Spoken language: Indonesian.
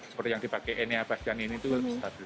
seperti yang dipakai enea bastian ini itu lebih stabil